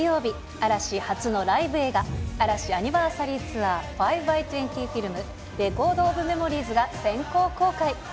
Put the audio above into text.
嵐初のライブ映画、嵐アニバーサリーツアー５×２０フィルム、レコードオブメモリーズが先行公開。